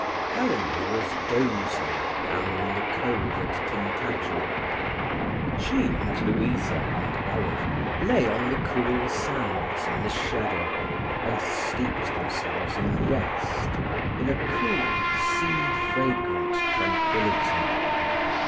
XXIX Helena was dozing down in the cove at Tintagel. She and Louisa and Olive lay on the cool sands in the shadow, and steeped themselves in rest, in a cool, sea fragrant tranquillity.